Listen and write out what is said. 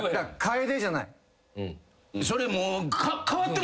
それもう。